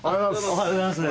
おはようございます。